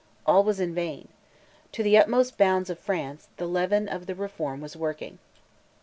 All was in vain. To the utmost bounds of France, the leaven of the Reform was working.